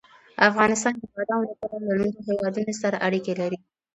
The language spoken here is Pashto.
افغانستان د بادامو له پلوه له نورو هېوادونو سره اړیکې لري.